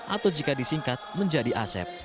atau jika disingkat menjadi asep